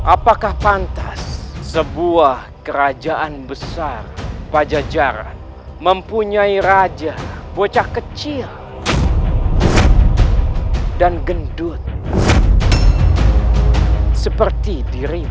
apakah pantas sebuah kerajaan besar pajajaran mempunyai raja bocah kecil dan gendut seperti dirimu